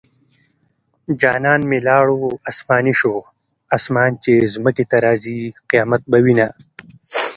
جانان مې لاړو اسماني شو اسمان چې ځمکې ته راځي قيامت به وينه